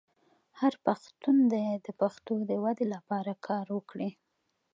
هر پښتون دې د پښتو د ودې لپاره کار وکړي.